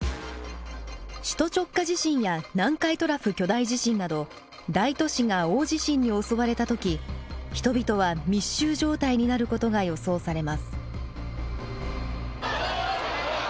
首都直下地震や南海トラフ巨大地震など大都市が大地震に襲われた時人々は密集状態になることが予想されます。